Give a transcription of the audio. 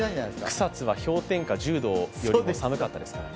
草津は氷点下１０度よりも寒かったですね。